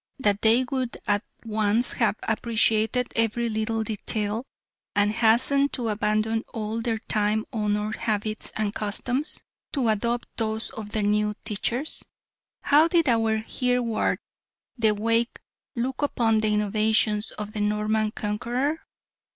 that they would at once have appreciated every little detail, and hastened to abandon all their time honoured habits and customs to adopt those of their new teachers? How did our Hereward the Wake look upon the innovations of the Norman Conqueror?